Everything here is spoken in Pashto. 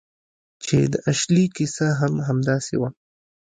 چې د اشلي کیسه هم همداسې وه